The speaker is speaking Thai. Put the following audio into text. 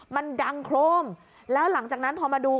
มันดังโครมแล้วหลังจากนั้นพอมาดู